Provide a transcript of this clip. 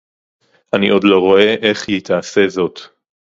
אני עוד לא רואה איך היא תעשה זאת